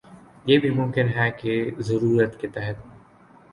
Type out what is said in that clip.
یہ بھی ممکن ہے کہہ ضرورت کے تحت